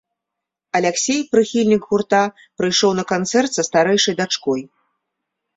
Аляксей, прыхільнік гурта, прыйшоў на канцэрт са старэйшай дачкой.